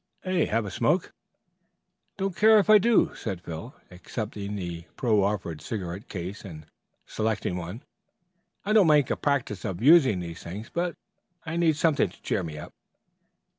Have a smoke?" "Don't care if I do," said Phil, accepting the proffered cigarette case and selecting one. "I don't make a practice of using the things, but I need something to cheer me up."